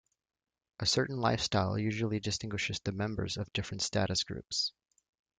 A certain lifestyle usually distinguishes the members of different status groups.